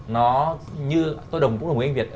nó như tôi đồng ý với anh việt